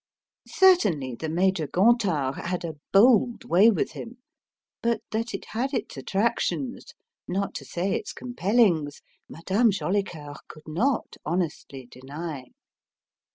Certainly, the Major Gontard had a bold way with him. But that it had its attractions, not to say its compellings, Madame Jolicoeur could not honestly deny.